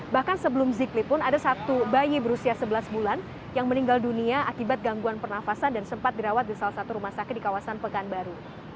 bahkan sebelum ziklit pun ada satu bayi berusia sebelas bulan yang meninggal dunia akibat gangguan pernafasan dan sempat dirawat di salah satu rumah sakit di kawasan pekanbaru